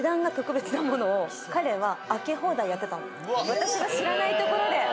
私が知らないところで。